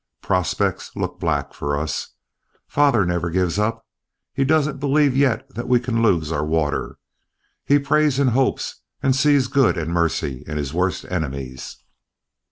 Prospects look black for us. Father never gives up. He doesn't believe yet that we can lose our water. He prays and hopes, and sees good and mercy in his worst enemies."